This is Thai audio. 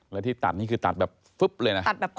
แล้วที่ตัดนี่คือตัดแบบฟึ๊บเลยนะ